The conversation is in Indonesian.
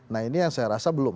nah ini yang saya rasa belum